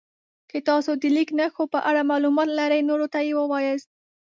که تاسو د لیک نښو په اړه معلومات لرئ نورو ته یې ووایاست.